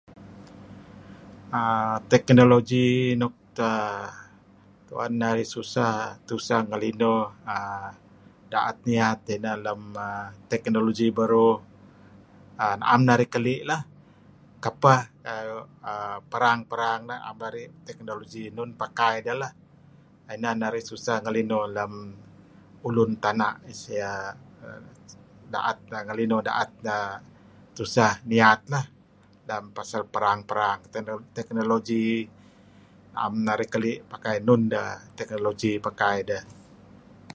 err technology nuk err u'en narih susah tuseh ngelinuh da'et niyat inah lem technology beruh, na'em narih keli' lah kapeh perang-perang neh, 'am keli' technology enun pakai deh lah. Inan narih susah lem ulun tana' da'et neh ngelinuh tuseh iyat lah pasal perang-perang. Technology 'am narih keli' pakai nun deh technology pakai deh.